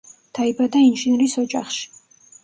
დაიბადა ინჟინრის ოჯახში.